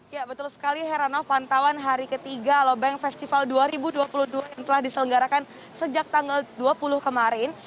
ya betul sekali heranov pantauan hari ketiga alobank festival dua ribu dua puluh dua yang telah diselenggarakan sejak tanggal dua puluh kemarin